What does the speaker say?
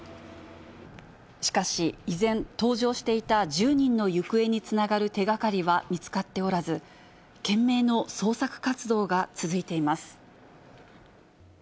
しかし、依然、搭乗していた１０人の行方につながる手がかりは見つかっておらず、懸命の捜索活動が続いています。